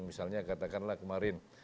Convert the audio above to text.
misalnya katakanlah kemarin